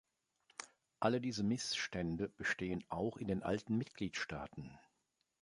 Alle diese Missstände bestehen auch in den alten Mitgliedstaaten.